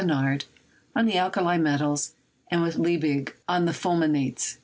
Thenard on the alkali metals, and with Liebig on the fulminates.